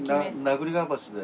名栗川橋で。